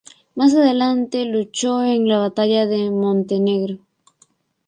Más adelante luchó en la batalla de Montenegro.